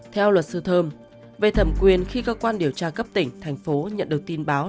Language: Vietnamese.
theo luật sư thơm về thẩm quyền khi cơ quan điều tra cấp tỉnh thành phố nhận được tin báo